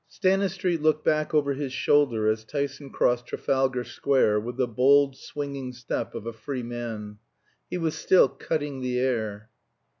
Stanistreet looked back over his shoulder as Tyson crossed Trafalgar Square with the bold swinging step of a free man. He was still cutting the air.